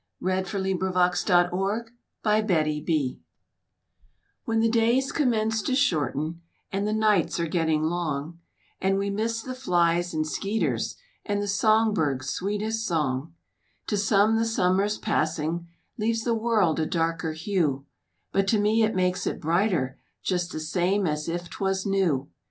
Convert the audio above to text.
*WHEN THE LEAVES COMMENCE TO FALL* When the days commence to shorten And the nights are getting long, And we miss the flies and skeeters And the song birds' sweetest song,— To some the summer's passing, Leaves the world a darker hue, But to me it makes it brighter, Just the same as if 'twas new.